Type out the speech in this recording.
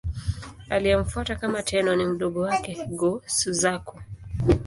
Aliyemfuata kama Tenno ni mdogo wake, Go-Suzaku.